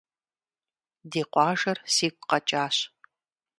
Ди къуажэр сигу къэкӀащ.